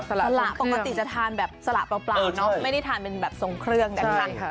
สละปกติจะทานแบบสละเปล่าเนาะไม่ได้ทานเป็นแบบทรงเครื่องนะคะ